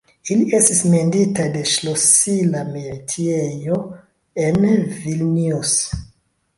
Ili estis menditaj de ŝlosila metiejo en Vilnius.